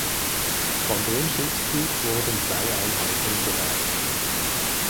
Von dem Schiffstyp wurden zwei Einheiten gebaut.